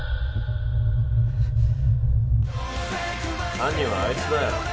犯人はあいつだよ。